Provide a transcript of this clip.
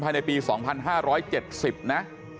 ภายในปี๒๕๗๐นะ